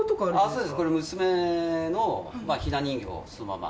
そうです、これ、娘のひな人形をそのまま。